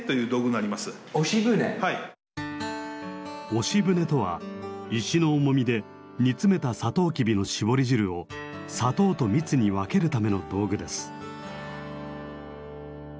押しぶねとは石の重みで煮詰めたサトウキビの搾り汁を砂糖と蜜に分けるための道具です。